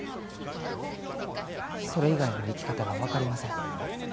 それ以外の生き方が分かりません。